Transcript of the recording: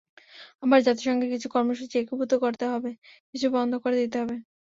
আবার জাতিসংঘের কিছু কর্মসূচি একীভূত করতে হবে, কিছু বন্ধও করে দিতে হবে।